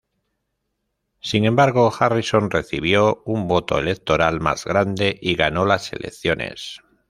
Sin embargo, Harrison recibió un voto electoral más grande y ganó las elecciones.